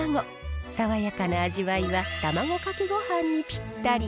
爽やかな味わいは卵かけごはんにぴったり。